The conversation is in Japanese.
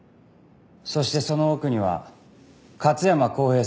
そしてその奥には勝山康平さんが倒れていた。